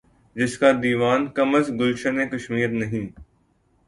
جس کا دیوان کم از گلشنِ کشمیر نہیں